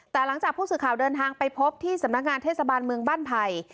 แต่หลังจากผู้สื่อข่าวเดินทางไปพบที่สำนักงานเทศบาลเมืองบ้านไผ่